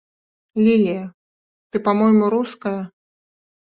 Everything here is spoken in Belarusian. Лілія, ты па-мойму руская?